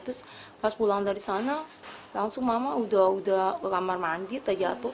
terus pas pulang dari sana langsung mama udah ke kamar mandi terjatuh